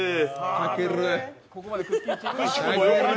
たける！